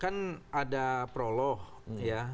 kan ada proloh ya